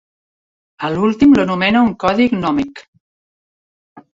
A l'últim l'anomena un "codi gnòmic".